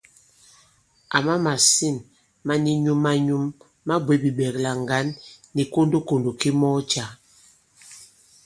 Àma màsîn ma ni nyum-a-nyum ma bwě bìɓɛ̀klà ŋgǎn nì kondokòndò ki mɔɔ cǎ.